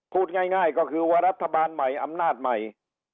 พูดง่ายก็คือว่ารัฐบาลใหม่อำนาจใหม่